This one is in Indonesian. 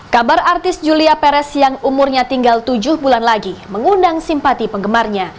kabar artis julia perez yang umurnya tinggal tujuh bulan lagi mengundang simpati penggemarnya